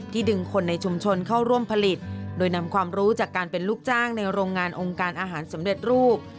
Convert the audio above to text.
ดึงคนในชุมชนเข้าร่วมผลิตโดยนำความรู้จากการเป็นลูกจ้างในโรงงานองค์การอาหารสำเร็จรูป